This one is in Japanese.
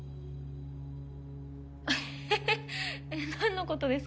はははっえっ何のことですか？